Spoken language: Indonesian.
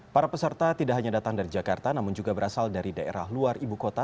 para peserta tidak hanya datang dari jakarta namun juga berasal dari daerah luar ibu kota